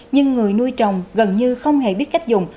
nhưng người nuôi trồng gần như không hề biết cách dùng